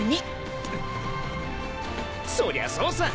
そりゃそうさ。